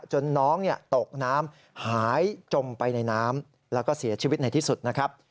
จนน้องตกน้ำหายจมไปในน้ำแล้วก็เสียชีวิตในที่สุดนะครับ